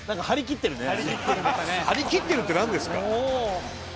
「張り切ってる」ってなんですか？